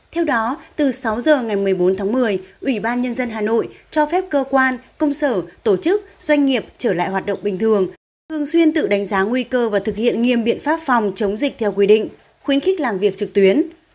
theo đó từ sáu h ngày một mươi bốn tháng một mươi ủy ban nhân dân hà nội cho phép cơ quan công sở tổ chức doanh nghiệp trở lại hoạt động bình thường thường xuyên tự đánh giá nguy cơ và thực hiện nghiêm biện pháp phòng chống dịch theo quy định khuyến khích làm việc trực tuyến